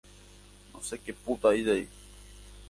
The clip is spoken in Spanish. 차 마실래?